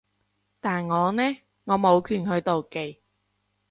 但我呢？我冇權去妒忌